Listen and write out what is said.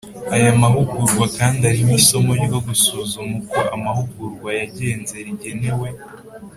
Aya mahugurwa kandi arimo isomo ryo gusuzuma uko amahugurwa yagenze rigenewe